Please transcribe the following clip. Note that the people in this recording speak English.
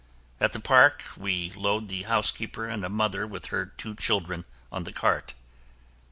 At the park, we load the housekeeper and a mother with her two children on the cart.